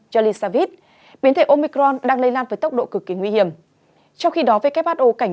el savid biến thể omicron đang lây lan với tốc độ cực kỳ nguy hiểm trong khi đó who cảnh